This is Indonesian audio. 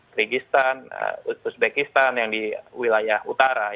krisis uzbekistan yang di wilayah utara